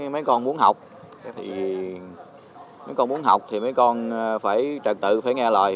mấy con muốn học thì mấy con trật tự phải nghe lời